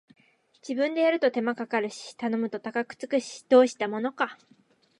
自分でやると手間かかるし頼むと高くつくし、どうしたものか